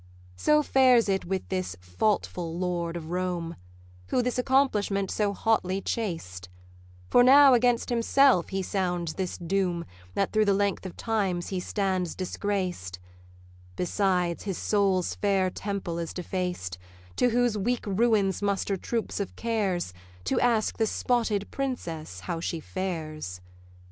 So fares it with this faultful lord of Rome, Who this accomplishment so hotly chased; For now against himself he sounds this doom, That through the length of times he stands disgraced: Besides, his soul's fair temple is defaced; To whose weak ruins muster troops of cares, To ask the spotted princess how she fares.